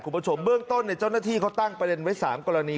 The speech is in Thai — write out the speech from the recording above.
คุณผู้ชมเบื้องต้นเจ้าหน้าที่เขาตั้งประเด็นไว้๓กรณี